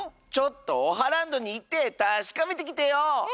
ちょっとオハランドにいってたしかめてきてよ！